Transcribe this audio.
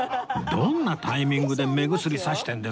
どんなタイミングで目薬差してるんですか？